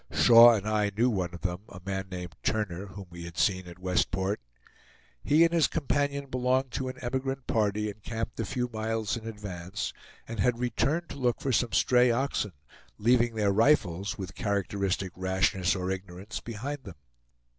Shaw and I knew one of them; a man named Turner, whom we had seen at Westport. He and his companion belonged to an emigrant party encamped a few miles in advance, and had returned to look for some stray oxen, leaving their rifles, with characteristic rashness or ignorance behind them.